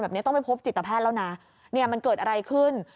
ต้องไปพบจิตแพทย์แล้วนะเนี่ยมันเกิดอะไรขึ้น